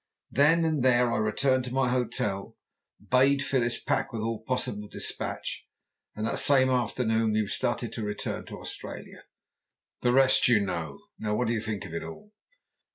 Then and there I returned to my hotel, bade Phyllis pack with all possible despatch, and that same afternoon we started to return to Australia. The rest you know. Now what do you think of it all?"